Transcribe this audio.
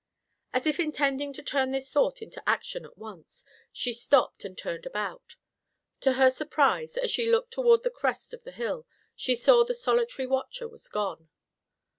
As if intending to turn this thought into action at once, she stopped and turned about. To her surprise, as she looked toward the crest of the hill, she saw the solitary watcher was gone.